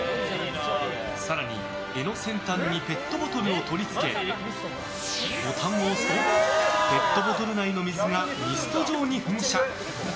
更に、柄の先端にペットボトルを取り付け、ボタンを押すとペットボトル内の水がミスト状に噴射。